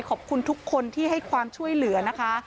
ขอบคุณทุกคนที่ให้ความช่วยเหลือนะคะ